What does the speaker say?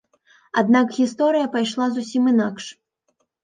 Аднак гісторыя пайшла зусім інакш.